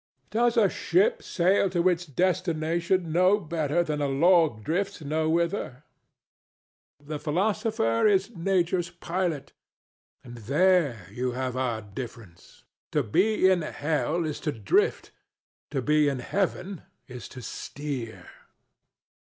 Does a ship sail to its destination no better than a log drifts nowhither? The philosopher is Nature's pilot. And there you have our difference: to be in hell is to drift: to be in heaven is to steer.